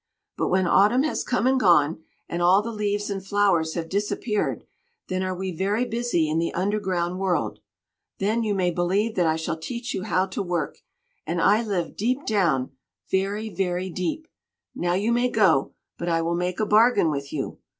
But when autumn has come and gone, and all the leaves and flowers have disappeared, then are we very busy in the underground world. Then you may believe that I shall teach you how to work! and I live deep down, very, very deep! Now you may go; but I will make a bargain with you.